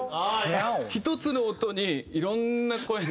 １つの音にいろんな声の。